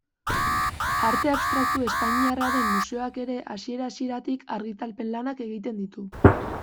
Arte Abstraktu Espainiarraren museoak ere, hasiera-hasieratik, argitalpen lanak egiten ditu.